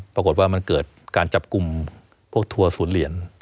ปรากฏว่ามันเกิดการจับกลุ่มพวกทัวร์ศูนย์เหรียญ